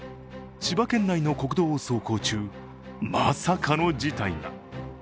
千葉県内の国道を走行中、まさかの事態が。